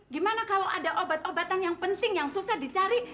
gimana kalau ada obat obatan yang penting yang susah dicari